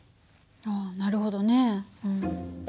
あなるほどね。